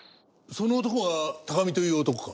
その男は高見という男か？